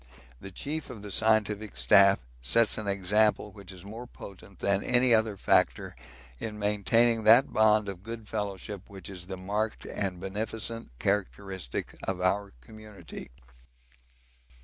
The chief of the Scientific Staff sets an example which is more potent than any other factor in maintaining that bond of good fellowship which is the marked and beneficent characteristic of our community.